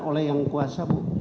oleh yang kuasa